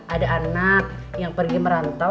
ada anak yang pergi merantau